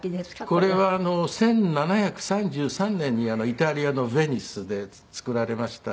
これは１７３３年にイタリアのベニスで作られました。